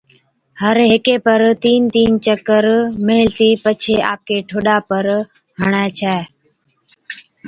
ھر ھيڪي پر تين تين چڪر ميلهتِي پڇي آپڪي ٺوڏا پر ھڻَي ڇَي